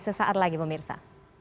sesaat lagi pemirsa